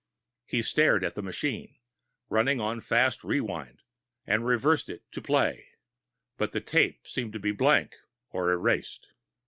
He stared at the machine, running on fast rewind, and reversed it to play. But the tape seemed to be blank, or erased.